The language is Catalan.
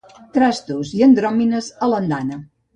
Trastos i andròmines a l’andana.